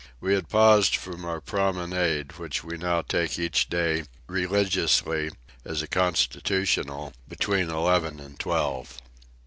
We had paused from our promenade, which we now take each day, religiously, as a constitutional, between eleven and twelve.